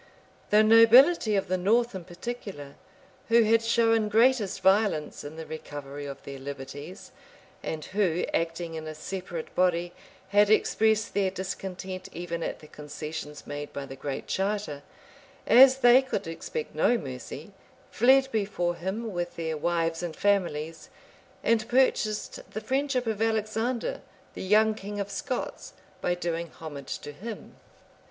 The nobility of the north in particular, who had shown greatest violence in the recovery of their liberties, and who, acting in a separate body, had expressed their discontent even at the concessions made by the Great Charter, as they could expect no mercy, fled before him with their wives and families, and purchased the friendship of Alexander, the young king of Scots, by doing homage to him.